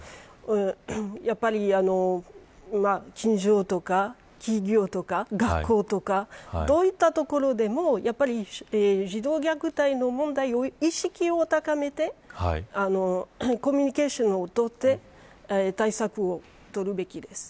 やっぱり近所とか、企業とか学校とかどういったところでも児童虐待の問題の意識を高めてコミュニケーションを取って対策を取るべきです。